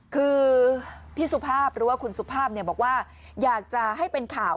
คือพี่สุภาพหรือว่าคุณสุภาพบอกว่าอยากจะให้เป็นข่าว